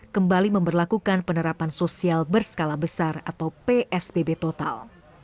kembali memperlakukan penerapan sosial berskala besar atau psbb total